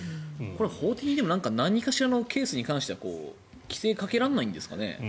これは法的に何かしらのケースに関しては規制かけられないんですかね。